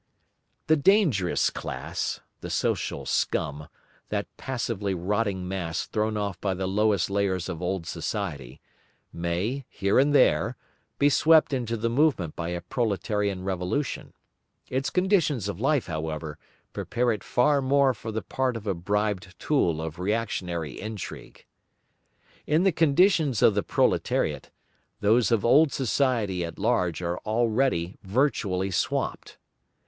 The "dangerous class," the social scum, that passively rotting mass thrown off by the lowest layers of old society, may, here and there, be swept into the movement by a proletarian revolution; its conditions of life, however, prepare it far more for the part of a bribed tool of reactionary intrigue. In the conditions of the proletariat, those of old society at large are already virtually swamped.